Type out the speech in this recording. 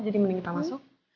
jadi mending kita masuk